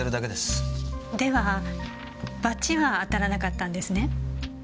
ではバチは当たらなかったんですね？